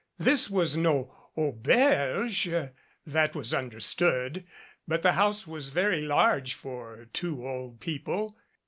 This was no au berge, that was understood, but the house was very large for two old people.